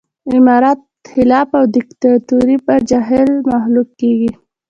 امارت خلافت او ديکتاتوري به جاهل مخلوق کېږي